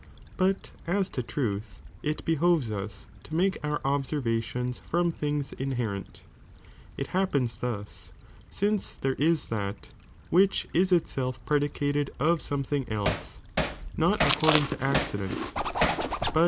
But as to truth, it be hoves hb to make our observaiiona from things inherent :' it happens thus, Since there is that, which is itself predicated of something else, not according to accident," but ,^^